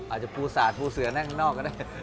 อาจจะภูสาดปูเสือนั่งข้างนอกก็ได้